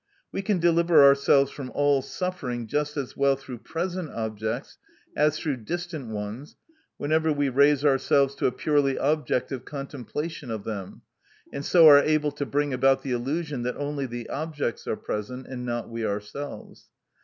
We can deliver ourselves from all suffering just as well through present objects as through distant ones whenever we raise ourselves to a purely objective contemplation of them, and so are able to bring about the illusion that only the objects are present and not we ourselves.